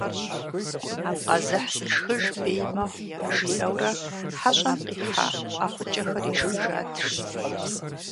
«Къэзыхь зышхыж бей мэхъу» жиӏэурэ, хьэщӏэм къихьа ӏэфӏыкӏэхэр ишхыжат, жи.